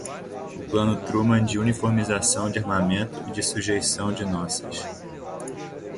o Plano Truman de uniformização de armamento e de sujeição de nossas